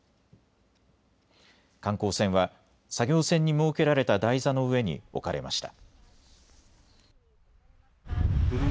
観光船は作業船に設けられた台座の上に置かれました。